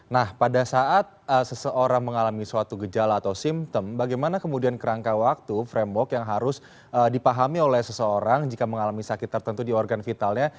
nah pada saat seseorang mengalami suatu gejala atau simptom bagaimana kemudian kerangka waktu framework yang harus dipahami oleh seseorang jika mengalami sakit tertentu di organ vitalnya